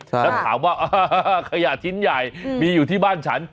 แล้วถามว่าขยะชิ้นใหญ่มีอยู่ที่บ้านฉัน